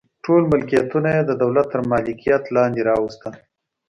ټول ملکیتونه یې د دولت تر مالکیت لاندې راوستل.